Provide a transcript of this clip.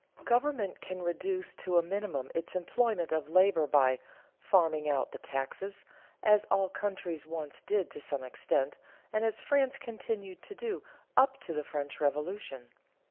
Government can reduce to a minimum its employment of labor by "farming out" the taxes, as all countries once did to some extent, and as France continued to do up to the French Revolution.